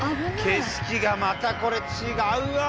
景色がまたこれ違うわ。